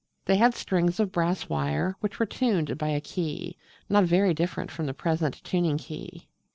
They had strings of brass wire which were tuned by a key, not very different from the present tuning key.